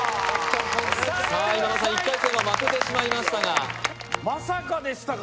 さあ今田さん１回戦は負けてしまいましたがでも